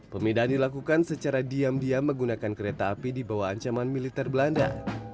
pemindahan dilakukan secara diam diam menggunakan kereta api di bawah ancaman militer belanda